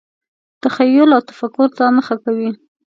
تخیل او تفکر ته مخه کوي.